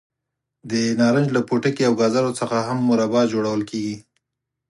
د نارنج له پوټکي او ګازرو څخه هم مربا جوړول کېږي.